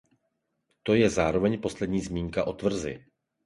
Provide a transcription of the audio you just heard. To je zároveň poslední zmínka o tvrzi.